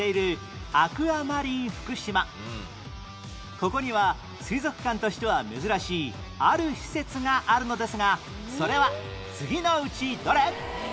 ここには水族館としては珍しいある施設があるのですがそれは次のうちどれ？